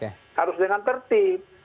harus dengan tertib